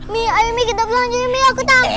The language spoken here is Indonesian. mi ayo kita belanja